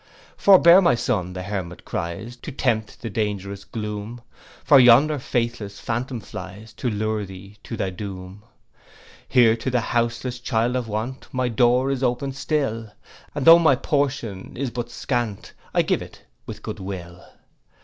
'Forbear, my son,' the hermit cries, 'To tempt the dangerous gloom; For yonder faithless phantom flies To lure thee to thy doom. 'Here to the houseless child of want, My door is open still; And tho' my portion is but scant, I give it with good will.